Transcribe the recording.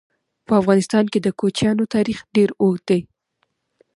په افغانستان کې د کوچیانو تاریخ ډېر اوږد دی.